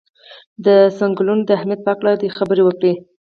د څنګلونو د اهمیت په هکله دې خبرې وکړي.